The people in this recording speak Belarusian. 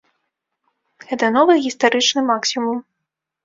Гэта новы гістарычны максімум.